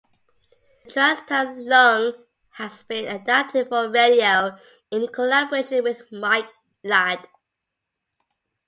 "The Transparent Lung" has been adapted for radio in collaboration with Mike Ladd.